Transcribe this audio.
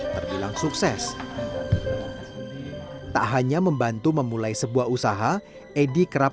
terbilang sukses tak hanya membantu memulai sebuah usaha edi kerap